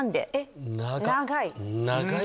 長い！